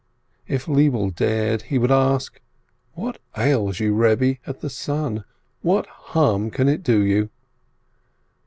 If Lebele dared, he would ask: "What ails you, Rebbe, at the sun? What harm can it do you?"